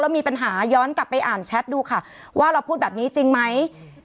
มีปัญหาย้อนกลับไปอ่านแชทดูค่ะว่าเราพูดแบบนี้จริงไหม